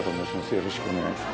よろしくお願いします。